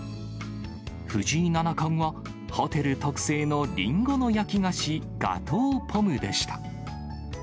藤井七冠はホテル特製のリンゴの焼き菓子、ガトー・ポムでした。